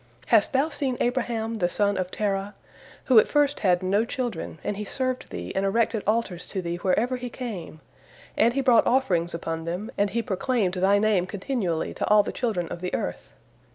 Hast Thou seen Abraham, the son of Terah, who at first had no children, and he served Thee and erected altars to Thee wherever he came, and he brought offerings upon them, and he proclaimed Thy name continually to all the children of the earth?